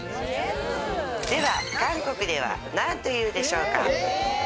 では韓国では何というでしょうか？